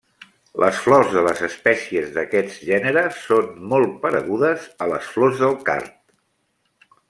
Les flors de les espècies d'aquest gènere són molt paregudes a les flors del card.